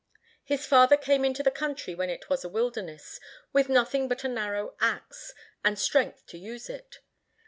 His father came into the country when it was a wilderness, with nothing but a narrow axe, and strength to use it.